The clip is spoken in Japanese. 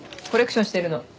コレクションしてるの。